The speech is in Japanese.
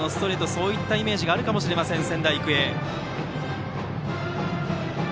そういったイメージがあるかもしれません、仙台育英。